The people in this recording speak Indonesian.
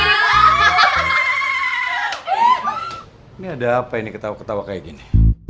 ini ada apa ini ketawa ketawa kayak gini